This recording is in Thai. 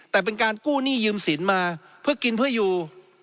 แต่เป็นการกู้หนี้ยืมสินมาเพื่อกินเพื่ออยู่